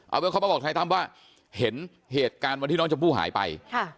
เอาเป็นเขามาบอกทนายตั้มว่าเห็นเหตุการณ์วันที่น้องชมพู่หายไป